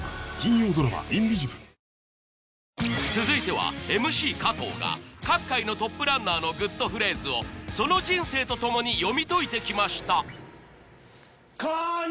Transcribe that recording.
続いてはＭＣ加藤が各界のトップランナーのグッとフレーズをその人生とともに読み解いてきました